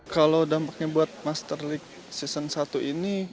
kalau dampaknya buat master league season satu ini